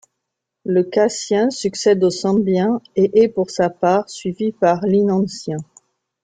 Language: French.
Le Katien succède au Sandbien et est, pour sa part, suivi par l'Hirnantien.